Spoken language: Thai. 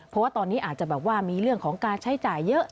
เพราะว่าตอนนี้อาจจะแบบว่ามีเรื่องของการใช้จ่ายเยอะ